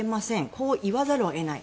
こう言わざるを得ない。